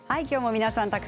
きょうも皆さん